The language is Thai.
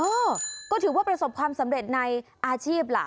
เออก็ถือว่าประสบความสำเร็จในอาชีพล่ะ